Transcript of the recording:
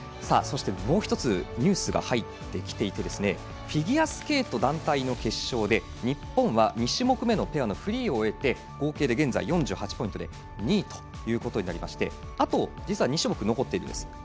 そして、もう１つニュースが入ってきていてフィギュアスケート団体の決勝で日本は２種目めのペアのフリーを終えて合計で４８ポイントで２位ということになりまして実はあと２種目残っているんです。